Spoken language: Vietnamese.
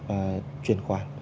và truyền khoản